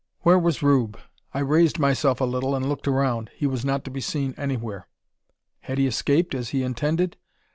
Where was Rube? I raised myself a little and looked around. He was not to be seen anywhere. Had he escaped, as he intended?